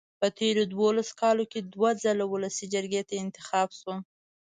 په تېرو دولسو کالو کې دوه ځله ولسي جرګې ته انتخاب شوم.